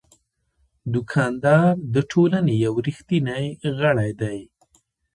دوکاندار د ټولنې یو ریښتینی غړی دی.